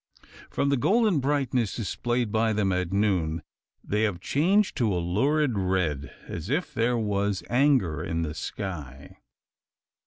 From the golden brightness, displayed by them at noon, they have changed to a lurid red as if there was anger in the sky!